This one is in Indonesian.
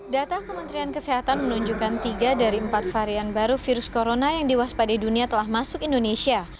data kementerian kesehatan menunjukkan tiga dari empat varian baru virus corona yang diwaspade dunia telah masuk indonesia